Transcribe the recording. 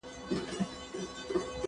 زه پرون د سبا لپاره د سوالونو جواب ورکوم!